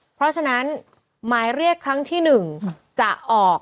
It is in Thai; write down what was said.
เพราะฉะนั้นหมายเรียกครั้งที่๑จะออก